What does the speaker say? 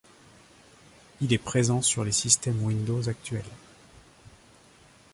Il est présent sur les systèmes Windows actuels.